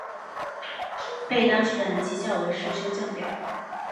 被当时的人讥笑为世修降表。